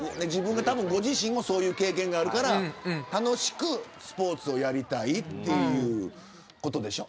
ご自身もそういう経験があるから楽しくスポーツをやりたいということだと思います。